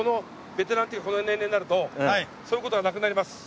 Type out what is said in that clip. ベテランっていうかこの年齢になるとそういう事はなくなります。